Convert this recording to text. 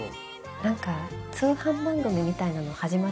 なんか通販番組みたいなの始まってません？